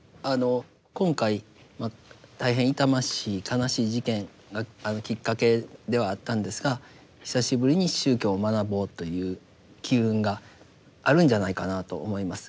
今回大変痛ましい悲しい事件がきっかけではあったんですが久しぶりに宗教を学ぼうという機運があるんじゃないかなと思います。